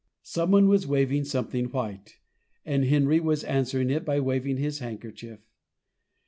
Someone was waving something white, and Henry was answering it by waving his handkerchief.